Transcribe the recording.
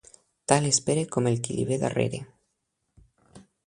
Tal és Pere com el qui li ve darrere.